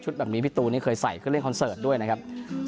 แบบนี้พี่ตูนนี่เคยใส่เครื่องเล่นคอนเสิร์ตด้วยนะครับ